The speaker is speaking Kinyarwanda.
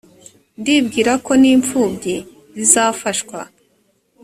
ndibwira ko n’imfubyi zizafashwa